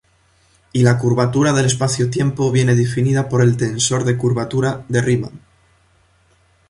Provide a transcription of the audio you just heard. Y la curvatura del espacio-tiempo viene definida por el tensor de curvatura de Riemann.